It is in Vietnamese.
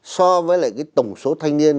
so với lại cái tổng số thanh niên